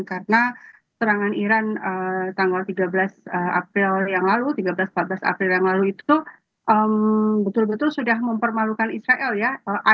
karena serangan iran tanggal tiga belas april yang lalu tiga belas empat belas april yang lalu itu betul betul sudah mempermalukan israel ya